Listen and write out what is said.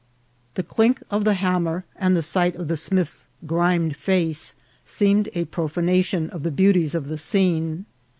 The clink of the ham mer and the sight of a smith's grimed face seemed a profanation of the beauties of the scene.